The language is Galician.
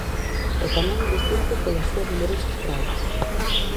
E tamén é distinto polas súas numerosas praias.